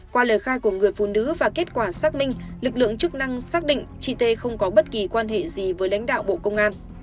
qua lời khai của người phụ nữ và kết quả xác minh lực lượng chức năng xác định chị tê không có bất kỳ quan hệ gì với lãnh đạo bộ công an